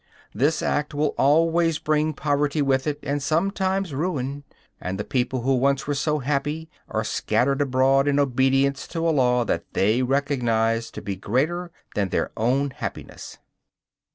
This act will always bring poverty with it and sometimes ruin; and the people who once were so happy are scattered abroad in obedience to a law that they recognize to be greater than their own happiness.